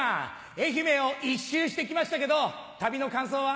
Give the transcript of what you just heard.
愛媛を１周してきましたけど旅の感想は？